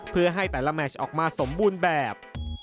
เพื่อให้แต่ละแมชออกมาสมบูรณ์แบบ